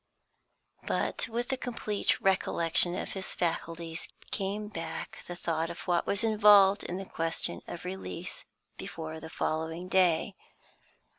But with the complete recollection of his faculties came back the thought of what was involved in the question of release before the following day.